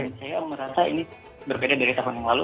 dan saya merasa ini berbeda dari tahun yang lalu